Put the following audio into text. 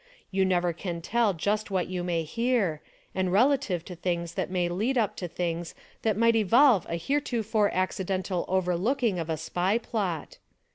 You never can tell just what you may hear, and relative to things that may lead up to things that might evolve a heretofore accidental overlooking of a SPY plot.